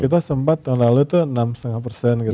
kita sempat tahun lalu itu enam lima persen gitu